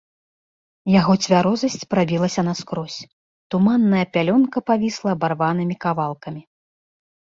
Яго цвярозасць прабілася наскрозь, туманная пялёнка павісла абарванымі кавалкамі.